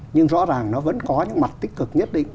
nhưng rõ ràng nó vẫn có những mặt tích cực nhất định